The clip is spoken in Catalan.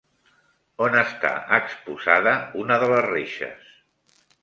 On està exposada una de les reixes?